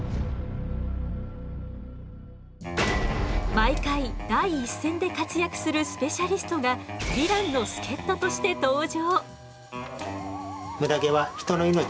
毎回第一線で活躍するスペシャリストがヴィランの助っととして登場。